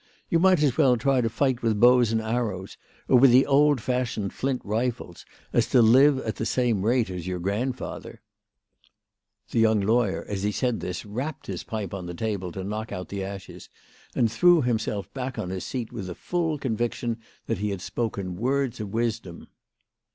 You might as well try to fight with bows and arrows, or with the old fashioned flint rifles, as to live at the same rate as your grandfather." The young WHY FRATT FROHMANN RAISED HER PRICES. 37 lawyer, as tie said this, rapped his pipe on the table to knock out the ashes, and threw himself back on his seat with a full conviction that he had spoken words of wisdom.